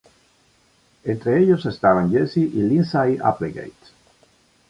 Entre ellos estaban Jesse y Lindsay Applegate.